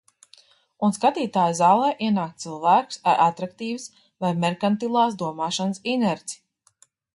Un skatītāju zālē ienāk cilvēks ar atraktīvas vai merkantilās domāšanas inerci.